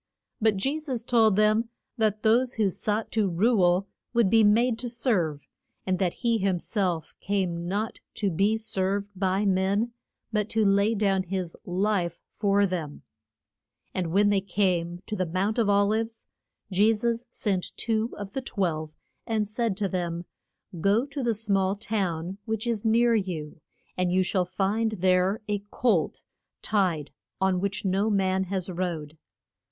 But Je sus told them that those who sought to rule would be made to serve, and that he him self came not to be served by men but to lay down his life for them. [Illustration: CHRIST AND THE MOTH ER OF ZEB E DEE's CHIL DREN.] And when they came to the Mount of Ol ives, Je sus sent two of the twelve, and said to them, Go to the small town which is near you, and you shall find there a colt tied, on which no man has rode.